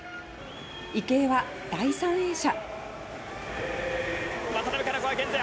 池江は第３泳者。